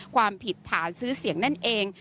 ความผิดฐานซื้อเสียงนั่นเอง